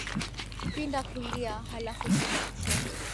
Pinda kulia, halafu pinda kushoto.